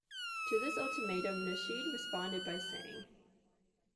To this ultimatum, Nasheed responded by saying.